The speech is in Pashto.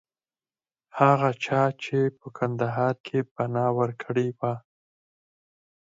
هغه چا چې په کندهار کې پناه ورکړې وه.